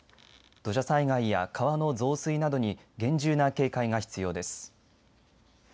土砂災害や川の増水などに厳重な警戒が必要です。